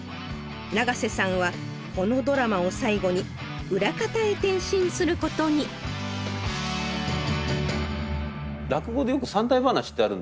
長瀬さんはこのドラマを最後に裏方へ転身することに落語でよく三題噺ってあるんですよ。